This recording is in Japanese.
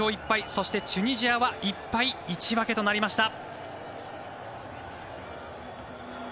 そして、チュニジアは１敗１分けとなりました。